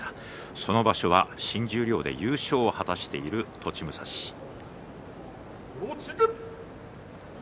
その場所は新十両で優勝を果たしている栃武蔵です。